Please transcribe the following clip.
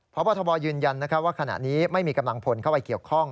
พบทบยืนยันว่าขณะนี้ไม่มีกำลังพลเข้าไปเกี่ยวข้อง